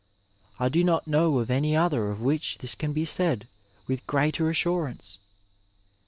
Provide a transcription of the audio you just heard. I do not know of any other of which this can be said with greater assurance.